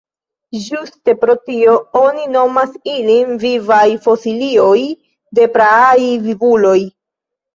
Ĝuste pro tio oni nomas ilin vivaj fosilioj de praaj vivuloj.